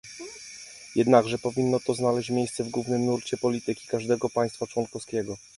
Jednakże powinno to znaleźć miejsce w głównym nurcie polityki każdego państwa członkowskiego